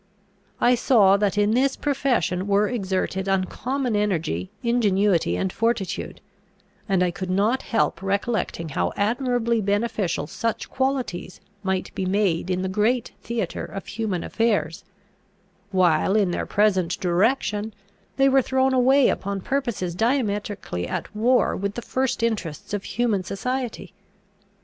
I saw that in this profession were exerted uncommon energy, ingenuity, and fortitude, and I could not help recollecting how admirably beneficial such qualities might be made in the great theatre of human affairs; while, in their present direction, they were thrown away upon purposes diametrically at war with the first interests of human society.